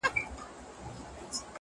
بس ده د خداى لپاره زړه مي مه خوره _